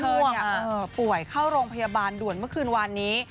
เธอป่วยเข้าโรงพยาบาลด่วนเมื่อคืนวานนี้